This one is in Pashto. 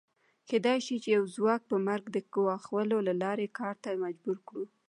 کېدای شي یو څوک په مرګ د ګواښلو له لارې کار ته مجبور کړو